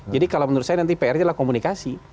jadi kalau menurut saya nanti pr adalah komunikasi